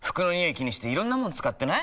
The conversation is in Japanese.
気にしていろんなもの使ってない？